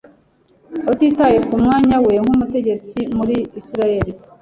atitaye k’umwanya we nk’umutegetsi muri Isiraheli.